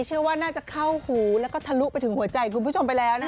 เชื่อว่าน่าจะเข้าหูแล้วก็ทะลุไปถึงหัวใจคุณผู้ชมไปแล้วนะคะ